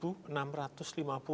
kita masih rp tujuh